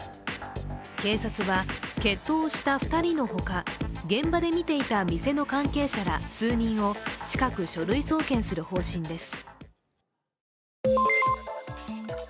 警察は決闘をした２人のほか、現場で見ていた店の関係者ら数人を近く書類送検する方針です。